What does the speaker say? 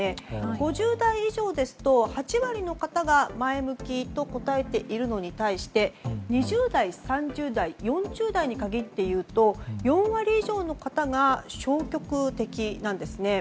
５０代以上ですと８割の方が前向きと答えているのに対し２０代、３０代、４０代に限っていうと４割以上の方が消極的なんです。